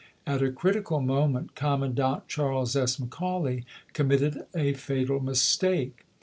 At a critical moment. Commandant Charles S. McCauley com mitted a fatal mistake.